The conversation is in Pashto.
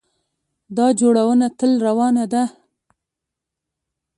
دا جوړونه تل روانه ده.